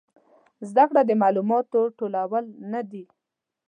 زده کړه د معلوماتو ټولول نه دي